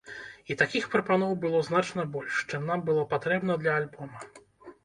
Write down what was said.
І такіх прапаноў было значна больш, чым нам было патрэбна для альбома.